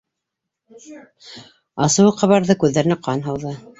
Асыуы ҡабарҙы, күҙҙәренә ҡан һауҙы